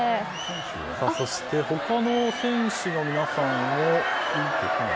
そして、他の選手の皆さんも。